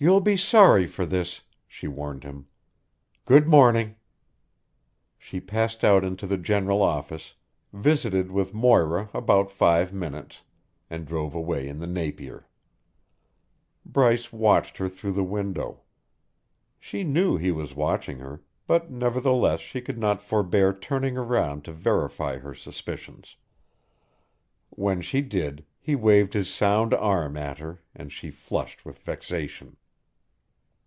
"You'll be sorry for this," she warned him. "Good morning." She passed out into the general office, visited with Moira about five minutes, and drove away in the Napier. Bryce watched her through the window. She knew he was watching her, but nevertheless she could not forbear turning round to verify her suspicions. When she did, he waved his sound arm at her, and she flushed with vexation.